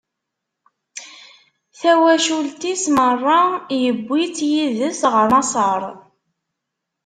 Tawacult-is meṛṛa, iwwi-tt yid-s ɣer Maṣer.